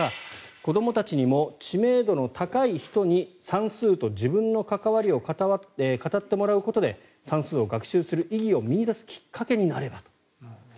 子どもたちにも知名度の高い人に算数と自分の関わりを語ってもらうことで算数を学習する意義を見いだすきっかけになればと。